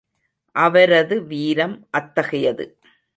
அவரது வீரம் அத்தகையது.